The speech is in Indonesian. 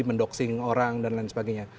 mendoxing orang dan lain sebagainya